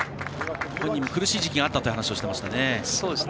本人も、苦しい時期があったと話していましたね。